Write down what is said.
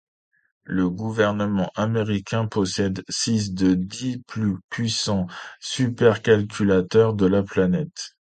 Le gouvernement américain possède six des dix plus puissants supercalculateurs de la planète.